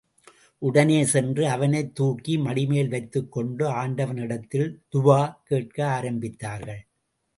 உடனே சென்று அவனைத் தூக்கி மடிமேல் வைத்துக் கொண்டு, ஆண்டவனிடத்தில் துவா கேட்க ஆரம்பித்தார்கள்.